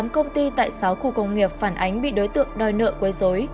tám công ty tại sáu khu công nghiệp phản ánh bị đối tượng đòi nợ quấy rối